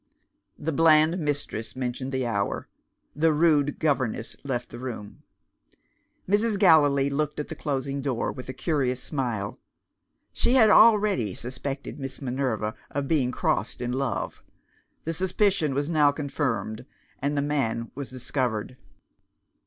The bland mistress mentioned the hour. The rude governess left the room. Mrs. Gallilee looked at the closing door with a curious smile. She had already suspected Miss Minerva of being crossed in love. The suspicion was now confirmed, and the man was discovered.